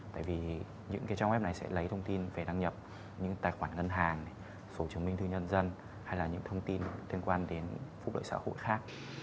tại vì những cái trang web này sẽ lấy thông tin về đăng nhập những tài khoản ngân hàng số chứng minh thư nhân dân hay là những thông tin liên quan đến phục lợi xã hội khác